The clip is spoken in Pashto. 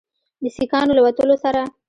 د سیکانو له وتلو سره